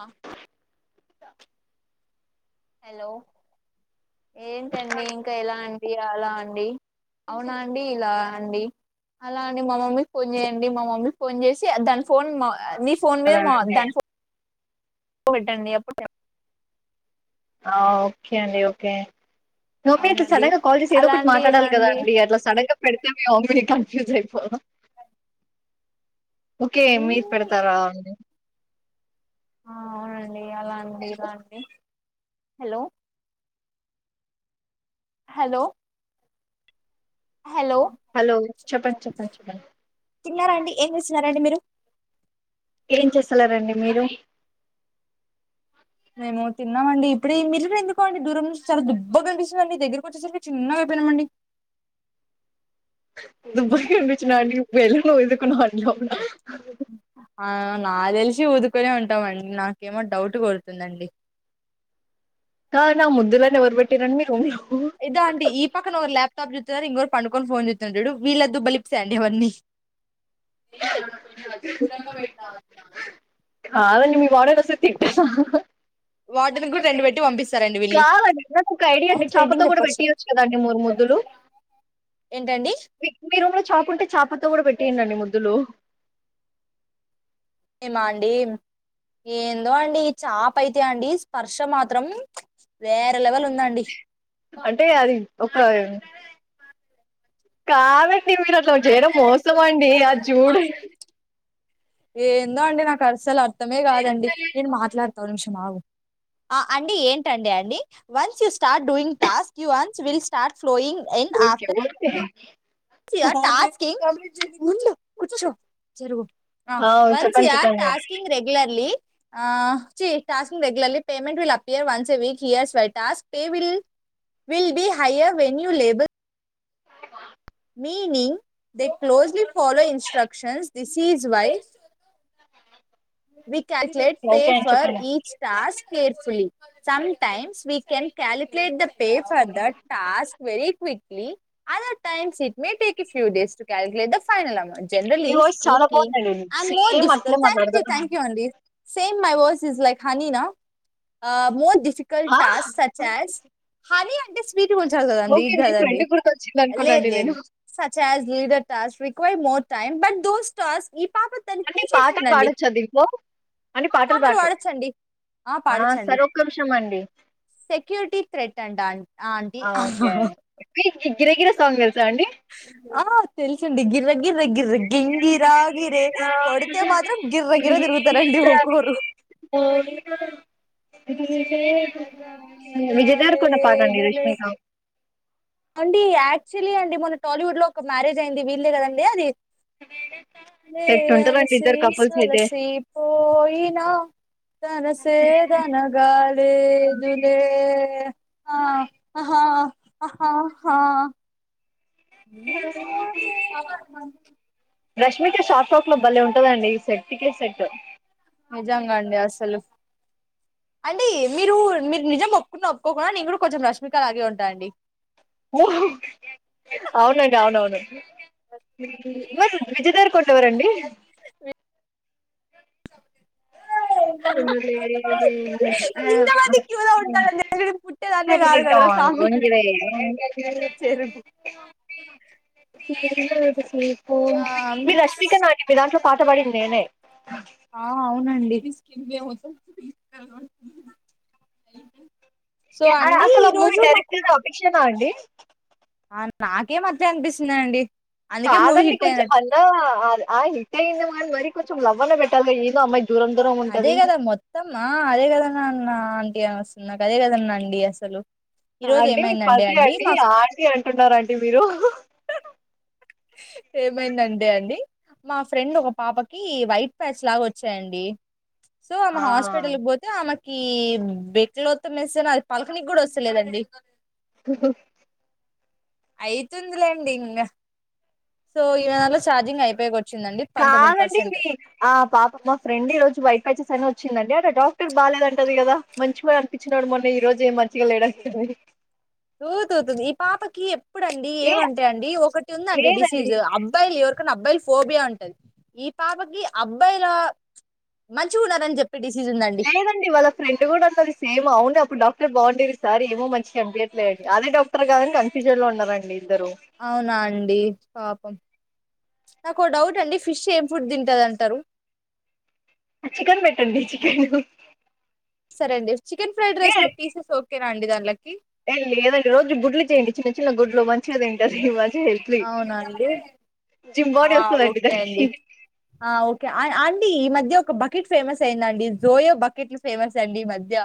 ఆ హలో ఏంటండి ఇంకా ఎలా అండి అలా అండి అవునా అండి ఇలా అండి అలా అండి మా మమ్మీకి ఫోన్ చేయండి మా మమ్మీకి ఫోన్ చేసి దాని ఫోన్ మా మీ ఫోన్ మీద మా దాని ఫో పెట్టండి అప్పుక ఆ ఓకే అండి ఓకే మేమ అట్లా అవునండి సడన్ గా కాల్ చేసి ఏదో అలా ఒకటి అండి ఇలా మాట్లాడాల కదా అండి అలా సడన్ గా పెడితే మేమ్ అంధరు కన్ఫ్యూజ్ అయిపో పొవ ఓకే ఈ మీరు పెడతారా అండి ఆ అవునండి అలా అండి ఇల అండి హలో హలో హలో హలో చెప్పండి చెప్పండి చెప్పండి తిన్నారండి ఏం చేస్తున్నారండి మీరు ఏం చేస్తన్నారండి మీరు మేము తిన్నామండి ఇప్పుడే మిరు ఎందుకో అండి దూరం నుంచి చాలా దుబ్బగా కనిపిస్తున్న రండి దగ్గరకు వచ్చేసరికి చిన్నగా అయిపోయినామండి దుబ్బుగా కనిపించినానండి ఇప్పుడు ఎలా వండుకున్న [unintelligible] న అ ఉన్నా ఆ నాకు తెలిసి ఊదుకునే ఉంటావండి నాకేమో డౌట్ కోడుతుందండి కా నా ముద్దులన్ని ఎవరు పెట్టిరండి మీ రూమ్ లొ ఇదా అండి ఈ పక్కన ల్యాప్ టాప్ జుతున్నారు ఇంకొకరు పడుకొని ఫోన్ చూస్తూ న్నారు చూడు వీళ్ద్దు [unintelligible] బలిపస్తే అండి ఇవ్వన్ని [unintelligible] పెట్టావు కాదండి మీ వాడేగ తట్టేస హ హ దినికీ కూడా రెండు పెట్టి పంపిస్ కాదండి నాకు ఒక ఐడియా అంది చేపతో కూడా పెట్టి చెప్పొచ్చు యోచ్చు కదండి మారి ముద్దులు ఏంటండి మీ రూమ్ లో చాప ఉంటే చాపతో తో కూడా పెట్టియాండి ముద్దులు మిమా అండి ఏందో అండి చాప అయితే అండి స్పర్శ మాత్రం వేరే లెవెల్ ఉందండి అంటే అది ఒక కాదు మీరు మీరాట్లా చెయ్యడం మోసమాండి. ఆ జుడే ఏందో అండి నాకు అసలు అర్థమే కాదండి అ అండి ఏంటండి అండి. వన్ స్యూస్ట్ start doing task, you once will start flowing, in after a what's your tasking. ఉండు కూర్చో జరుగు ఆ వన్స్ చెప్పండి ఇయర్ చెప్పండి టాస్కింగ్ రెగ్యులర్లీ అ చి tasking regularly payment will appear once a week here's for task. Pay will will be higher venue label. Meaning the closely follow instructions this is why we calculate pay okay అండి for చెప్పండి each task. Carefully, some times we can calculate the pay for the task very quickly, other times it may take few days to calculate the ఫ్ final amount. మీ generally voice చాలా స్పిక్లీ బాగుందండి and more same అట్లే difficult and మాట్లాడుతున్నాను thank you అండి. Say um my voice is like హనీనా. ఆ మోర్ దీ డిఫికల్ట్ ఆ, టాస్క్ సచ్ హస్. హనీ అంటే స్వీట్ గుంచాలి కదండి. ఓకే మీ కదండి ఫ్రెండ్ గుర్తొచ్చింది లేదు అనుకున్నాండి నేను లేదు search as leader task require more. Time but though task it అన్నీ పాటలు పాడొచ్ చ్చదింట్లో అండి ఆ పాటలు పాడ్రూ పాడొచ్చండి ఆ సరే ఒక్క నిమిషమండి. సెక్యూరిటీ థ్రెట్ అంట ఆన్- ఆంటీ ఆ ఒకే అండ్ గిరగిర సాంగ్ తెల్సాండి. ఆ తెల్సండి గిర్రర్ గిర్ర గిర్ర గింగిరాగిరే కొడితే మాత్రం గిర్ర గిర్ర దిరుగుతారండి ఒకోక్కరు. విజయ్ దేవరకొండ పాటండి. లగాలేదులే రష్మికా అండి యాక్చువల్లీ అండి. మొన్న టాలీవుడ్ లో ఒక మ్యారేజ్ అయింది వీళ్ళే కదండి. అది ఏ ఎట్టుంటదండి అలసి ఇద్దరు కపుల్స్ అయితే సోలసి పోయినా తనసే దనగా లేదులే ఆ ఆ హా ఆ ఆహా న్యుమోచే రష్మిక షాపప్ లో భలే ఉంటదండి. ఈ సెట్టికే సెట్ నిజంగా అండి అసలు. అండి మీరు నీ మీరు నిజం ఒప్పుకున్న ఒప్పుకోకున్న. నేను కూడా కొంచెం రష్మికలాగే ఉంటా అండి. ఓ అవునండి. అవునవును మీకీ [unintelligible] విజయ్ దేవరకోన్ కొండేవరండి. అ అడి అ ఇంతమంది క్యూలో ఉంటారని తెలిసి నేను పుట్టేదాన్నే కాదు కదరా కొజ స్వామి [unintelligible] చెరుకు ఎ ఆ మీ రష్మిక నాటిపిద పాటబడిందేనే ఆ అవునండి ే [inaudible] అసలు ఆ మూవీ డైరెక్టర్ అపేక్షనా అండి నాకే మధ్య అనిపిస్తుంది అండి కాదండి కొంచెం అన్న ఆ హిట్ అయ్యిందేమో మ మరి కొంచ లవ్వనే పెట్టాగా ఏను అమ్మాయి దూరం దూరం అదే ఉంటది కదా మొత్తమ్మా అదే కద నన్న లాంటి ఏ వస్తున్నా అదే కదనండి అసలు ఈ రోజు ఆంటీ మీకు ఏమైందండి మరిది అండి మా ఆంటీ అంటున్నారండి మీరు ఏమైందండి అని మా ఫ్రెండ్ ఒక పాపకి వైట్ ప్యాచ్ లాగా వచ్చాయండి సో అమె ఆ హాస్పిిటల్ పోతే ఆమె ఈ బెడ్లో వద్దు వేస్తే అది పడుకోనికి కూడా వస్తేలేదండి అయితుందిలేండి, ఇంకా సో ఇవ్వాళ ఛార్జింగ్ అయిపోయ కొచ్చ కాదండి, మీ ఆ పాప మా ఫ్రెండ్ ఈ రోజు బైట వచ్చేస్ అనే వచ్చిందండి డాక్టర్ బాలేదంటా వుంటది కదా, మంచి మా ఇచ్చినో డు మొన్న, ఈ రోజు ఏం మంచిగా లేడాంది దు, దు దు ఈ విపాపకి ఇప్పుడుడండి ఏ ఏమంటా అండి ఒకటి ఉందండి లేదండి మెసేజ్ అబ్ాయిలు ఎవరికైన్నా అబ్బాయిలు ఫోబియా అండి ఈ పాపకి అబ్బాయిలా మంచి ఉ, న్నారని చెప్ప లేదండి, వాళ్ళ ఫ్రెండ్ కూడా ఉన్నది సేమ్ అవును అప్పుడు [unintelligible] అవునా అండి పాపం నాకు ఒక డౌట్ అండి ఫిష్ ఏం ఫుడ్ తింటంది అంటారు చికెన్ పెట్టండి చికెన్ సరే అండి చికెన్ ఫ్రైడ్ ఏ రైస్ లో పీసెస్ ఓకే నా అండి లక్కీ ఏ లేదండి రోజు గుడ్లు చేయండి చిన్న చిన్న గుడ్లు మంచిగ తింటది మంచిగా హెల్తీ అవునాండి జిమ్ బాడీ ఆ వస్తదండి ఓకే దానికి అండి, ఆ ఓకె అయి ఈ మధ్య ఒక బకెట్ ఫేమస్ అయిందండి జోయో బకెట్లు ఫేమస్ అండి ఈ మధ్య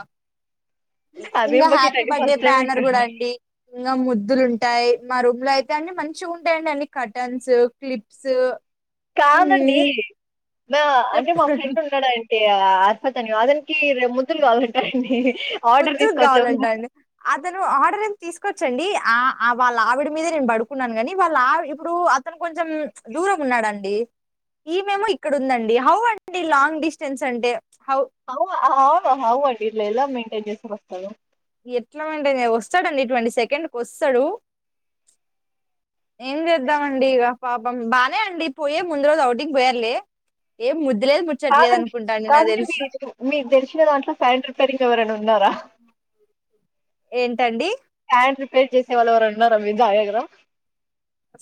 అదేం ఇంకా బకెట్ హ్యాపీ అండి బర్త్డే ఫస్ట్ టైం బ్యానర్ కూడా వింటున్న అండి ఇంకా ముద్దులుంట ఉంటాయి మా రూమ్ లో అయితే అన్ని మంచిగుంటయండి అన్ని కర్టన్స్ క్లిప్స్ కాదండి అంటే మా చెప్పండి ఫ్రెండ్ ఉన్నాడా అతని [unintelligible] ముద్దులు కావాలంటా అండి ముద్దు కావాలంటాండి అతను ఆర్డర్ తీసుకొవచ్చండి ఆ వాళ్ళ ఆవిడ మీద నేను పడుకున్నాను కాని వాళ్ళ ఆవి ఇప్పుడు అతను కొంచెం దూరం ఉన్నాడండి ఈమేమో ఇక్కడ ఉందండి హౌ అండి లాంగ్ డిస్టెన్స్ అంటే హౌ అ హౌ హౌ ఇలాఎలా మెయింటైన్ చేస్ నమస్కారం ఎట్ల మెయింటేన్ చేయ వస్తడండి ట్వంటీ సి సెకండ్కి ఒస్తడు ఏం చేద్దామండి ఇగ పాపం బానే అండి పోయే ముందు రోజు ఔటింగ్ పోయారూలే ఏ ముద్ కాదండి కాదండి మీరు మీకు తెలిసిన దాంట్లో ఫ్యాన్ రిపేరింగ్ ఎవరైనా ఉన్నారా ఏంటండీ వెయిట్ చేసే వాళ్ళు ఎవరైన ఉన్నరా మీరు [unintelligible]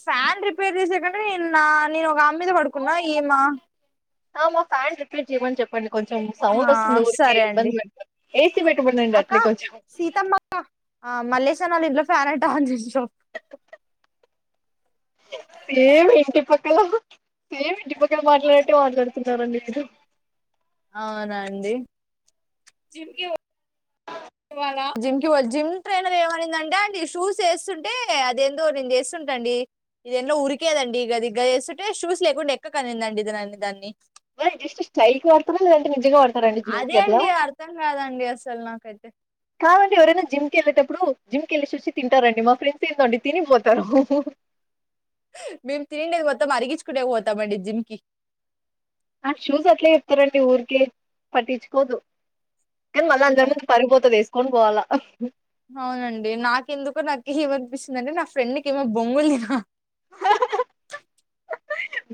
ఫ్యాన్ రిపేర్ చేసే కంటె నేను నా నేను ఒక అమీ మీద పడుకున్నా ఈమా ఆ మా ఫ్యాన్ రిపేర్ చేయమని చెప్పండి కొంచెం ఆ సౌండ్ ఓస్తుంది ఊరికే సరే అండి ఇబ్బంది పెడుతుంది ఏసీ పెట్టమనండి అట్లే కొంచెం మల్లెషన్నోల్ల ఇంట్ల ఫాన్ అంట ఆన్ చేసి రా ఏమి ఇంటి పక్కల ఏమి ఇంటి పక్కల మాట్లాడినట్టే మాట్లాడుతున్నరండి మీరు అవునాండి ఇ జిమ్కి జిమ్ ట్రైనర్ ఏమనిందంటే అంటే షూస్ వేస్తుంటే అదేందో నేను చేస్తుంటాండి ఇదేందో ఉరికేదండి గది చేస్తుంటే షూస్ లేకుండ ఎక్కకనిందండి ఇది దాన్ని మరి జస్ట్ స్టయిల్కి వాడుతరా లేదంటె నిజంగ వాడుతరా అదే అండి అర్థం కాదండి అసల్ నాకైతే కాదండి ఎవరైనా జిమ్కి వెళ్ళేటప్పుడు జిమ్క వెళ్ళేసోచ్చి తింటారండి మా ఫ్రెండ్స్ ఏందోండి తినిపోతరు మేము తినుండేది మొత్తం అరిగించుకునేకి పోతామండి జిమ్ కి ఆ షూస్ అట్లే చెప్తరండి ఊరికే పట్టించుకోవద్దు కని మళ్ళ అందరి ముందు పరువుపోతది కొని పోవాలా అవునండి నాకెందుకో నాకు ఏమనిపిస్తుందంటే నా ఫ్రెండ్కి ఏమో బొంగులు తినాలి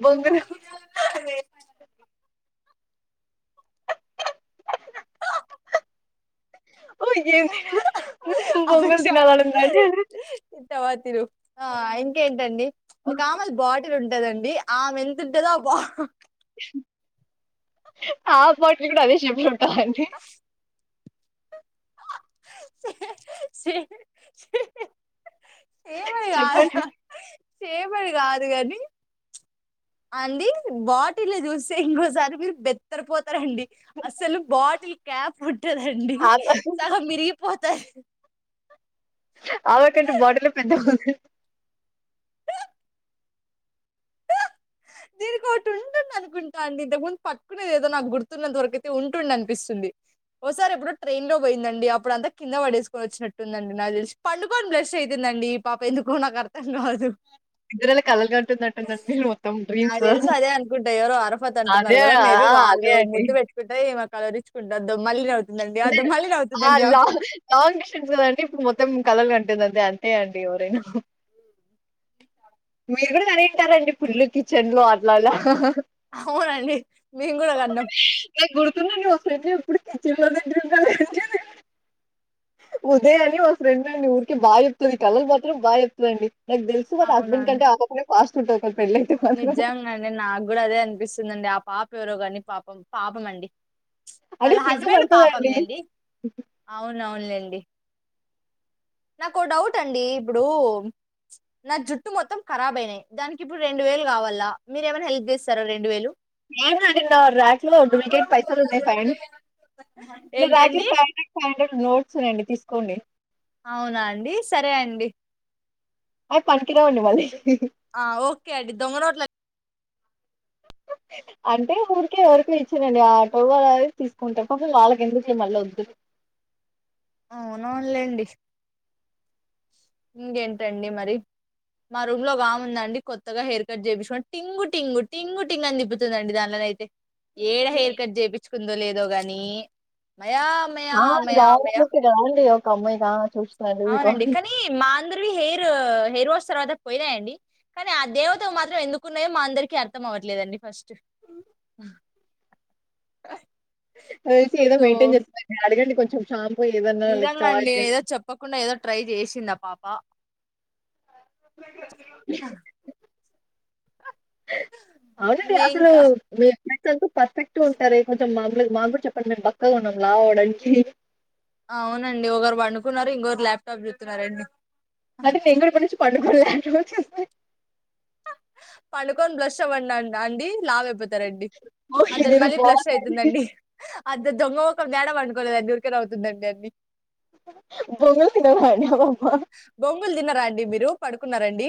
బొంగులు తిన మ ఏంది బొంగుల్ దినాలనుందా చవాతిరు ఆ ఇంకేంటండి ఒక ఆమలు బాడ ఉంటాదండి ఆమె ఎంత ఉంటదో ఆ బా ఆ బాటిల్ కూడా అదే షీ అండి ఏ మై ఆ చెప్పండి [inaudible] చేమడి కాదు కాని అండి బాటిల్ చూస్తే ఇంకోసారి మీరు బెత్తరపోత రండి అసలు బాటిల్ క్యాప్ ఉంటదండి ఆమె సగం ఇరిగిపోత్ స ఆమకంటే బాటలె పెద్దగుంద్ దీనికి ఒకటి ఉంటుం అనుకుంటా అండి ఇంతకు ముందు పట్టుకునేది ఏదో నాకు గుర్తున్న దొరకైతే ఉంటుండేద అనిపిస్తుంది ఓసారి ఎప్పుడు ట్రైన్ లో పోయిందండి అప్పుడు అంతా కింద పడేసుకోనిచ్చినట్టుందండి నాకు తెలిసి పండుకొని బ్లష్ అయితుందండి పాప ఎందుకో నాకు అర్థం కాదు నిద్రల కలలుగన్ నాకు దెలిసి అదే అనుకుంటే ఎవరు అరఫత్ అదే అంటున్నారు గదా ఆ! మేబీ అదే వాళ్ళు ముద్దు పెట్టుకుంటే కలవరిచ్చుకుంటద్ లాంగ్ లాంగ్ డిస్టెన్స్ కదండి ఇప్పుడు మొత్తం కలలు కంటు ఉంటుందండి అంతే అండి ఎవరైనా మీరు కూడా కనే ఉంటారండి పుల్లు కిచెన్ లో అట్లాలా అవునండి మేం గూడా కన్నాం నాకు గుర్తుతున్నదండి [inaudible] ఇప్పుడు కిచెన్ లో బెడ్ రూమ్ లో ఉదయ్ అని ఓ ఫ్రెండ్ అండి ఊరికే బాయ్ చెప్తది కళ్ళలో మాత్రం బాయ్ చెప్తదండి నాకు దెలిసి వాళ్ల హస్బెండ్ కంటే ఆ పాపనే ఫాస్ట్ [inaudible] మాత్రం నిజంగా అండి నాకు గూడా అదే అనిపిస్తుందండి ఆ పాప ప్యూరో గని పాపం పాపం అండి అంటే వాళ్ళ హస్బెండ్ పాపం సిగ్గుపడతదండి లేండి అవున అవునులేండి అండి నాకు ఒక డౌట్ అండి ఇప్పుడు నా జుట్టు మొత్తం కరాబ్ అయినయి దానికి ఇప్పుడు రెండు వేలు గావాలా మీరు ఏమైనా హెల్ప్ చేస్తర రెండు వేలు ఆహా నా ర్యాక్ లో డుబ్లికేట్ పైసలు ఉన్నాయి ఫైవ్ నా ర్యాక్ లో ఏంటండి five hundred five hundred notes ఉన్నయండి తీసుకోండి అవునా అండి సరే అండి అవి పనికి రావండి వాళ్ళయి ఆఓకే అండి దొంగనోట్లే అంటే ఊరికే ఎవరకో ఇచ్చిరండి ఆటవ్వవారు తీసుకుంటారు పాపం వాళ్ళకి ఎందుకులే మళ్ళ వద్దు అవును అవున్లేండి ఇంకేంటండి మరి మా రూమ్ లో వాముందండి కొత్తగా హెయిర్ కట్ చేపిచ్ షో [inaudible] టింగు టింగు టింగుట్ టింగ్ అని తిప్పుతుందండి దాందోలో ద్ అయితే ఏడ హెయిర్ కట్ జేపిచ్చుకుందో లేదో దో గనీ న్ మయా మయా మయా మయా దే రావండీ ఒక అమ్మాయి [inaudible] చూస్ అవునండి కానీ మా అందరివి హెయిర్ హెయిర్ వాస్ తర్వాత పోయిలైయండి కానీ ఆ దేవతకు మాత్రం ఎందుకున్నాయో మా అందరికి అర్థం అవట్లేదండి ఫస్ట్ [inaudible] ఏదో సో మెయింటేన్ జేస్తుందండి అడగండి కొం షా [inaudible] నిజంగా అండి ఏదో చెప్పకుండా ఏదో ట్రై జేసిండు ఆ పాప అ అవునండి నే అసలు ఇంకా మీ [inaudible] [inaudible] పర్ఫెక్ట్ ఉంటారే కొంచెం మామలుగా మాగ్ గుడ చెప్పండి మేము బక్కగా ఉన్నాం లావు అవడానికి అవునండి ఒకరు పండుకున్నారు ఇంకొకరు ల్యాప్టాప్ చుస్తున్నారండి అత్ర్ [inaudible] పండుగులు [inaudible] ఇట్ల వచ్చేస్తున్నాయి అనుకోన్ బ్లష్ అవ్వన్న్న రాఅండి లావు అయిపోత్ తరండి ఓకే అదని ఇదేదో మళ్ళీ బ్లష్ బావుందండి. అయితుందండి [inaudible] అద్ద దొంగో మెఖం గ్యాడపటుకోలేదం చూడు [inaudible] అండి బోంగ తిన [unintelligible] బోంగ్ ల్ తిన్నారా అండి మీరు పడుకున్నారా అండి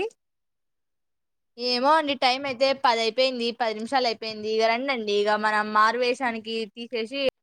ఏమో అండి టైం అయితే పది అయిపోయింది పది నిమిషాలు అయిపోయింది ఇక రండ్ డండిఇక మనం మారువేషానికి తీసేసి